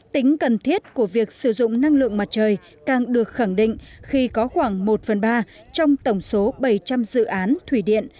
tính cần thiết của việc sử dụng năng lượng mặt trời càng được khẳng định khi có khoảng một phần ba trong tổng số bảy trăm linh dự án thủy điện